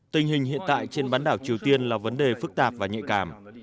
tình hình hiện tại trên bán đảo triều tiên là vấn đề phức tạp và nhạy cảm